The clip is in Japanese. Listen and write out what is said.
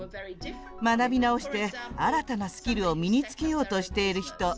学び直して新たなスキルを身に着けようとしている人。